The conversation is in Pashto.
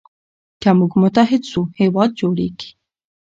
که موږ متحد سو هېواد جوړیږي.